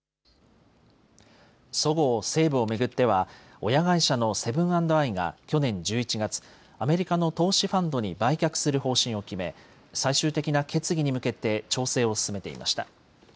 そごう・西武を巡っては親会社のセブン＆アイが去年１１月、アメリカの投資ファンドに売却する方針を決め、最終的な決議に向けて調整を進めていました。